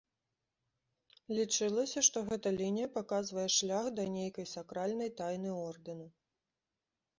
Лічылася, што гэта лінія паказвае шлях да нейкай сакральнай тайны ордэну.